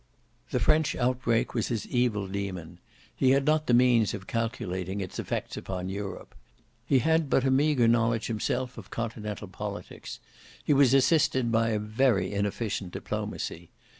The French outbreak was his evil daemon: he had not the means of calculating its effects upon Europe. He had but a meagre knowledge himself of continental politics: he was assisted by a very inefficient diplomacy.